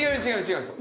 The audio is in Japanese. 違います。